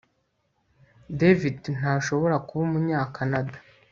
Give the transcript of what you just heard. David ashobora kuba Umunyakanada